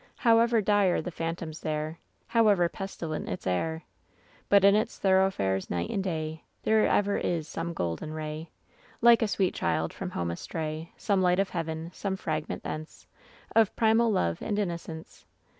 However dire the phantoms there, However pestilent its air — But in its thoroughfares, night and day. There ever is some golden ray. Like a sweet child from home astray — Some light of Heaven, some fragment thence Of primal love and innocence.